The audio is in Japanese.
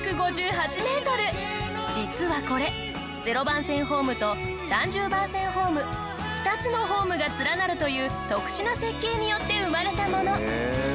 実はこれ０番線ホームと３０番線ホーム２つのホームが連なるという特殊な設計によって生まれたもの。